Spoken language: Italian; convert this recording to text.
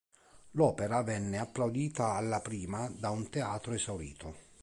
L'opera venne applaudita alla prima da un teatro esaurito.